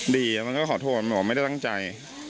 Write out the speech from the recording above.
มันก็ขอโทษมันบอกไม่ได้ตั้งใจ